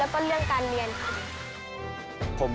แล้วก็เรื่องการเรียนค่ะ